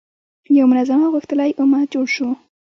یو منظم او غښتلی امت جوړ شو.